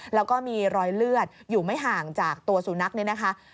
แล้วก็มีรอยเลือดอยู่ไม่ห่างจากตัวสุนัขเนี่ยนะคะ